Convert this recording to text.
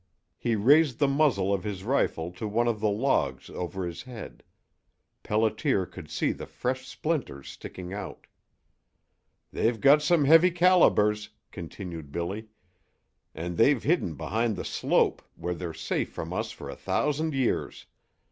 He raised the muzzle of his rifle to one of the logs over his head. Pelliter could see the fresh splinters sticking out. "They've got some heavy calibers," continued Billy, "and they've hidden behind the slope, where they're safe from us for a thousand years.